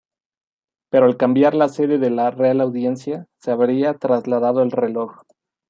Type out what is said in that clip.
Pero al cambiar la sede de la Real Audiencia, se habría trasladado el reloj.